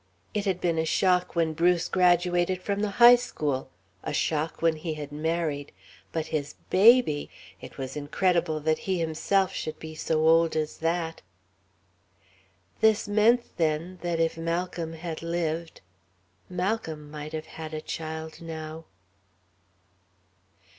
It had been a shock when Bruce graduated from the high school, a shock when he had married, but his baby ... it was incredible that he himself should be so old as that. ... This meant, then, that if Malcolm had lived, Malcolm might have had a child now....